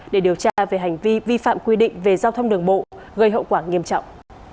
để điều tra về hành vi vi phạm quy định về giao thông đường bộ gây hậu quả nghiêm trọng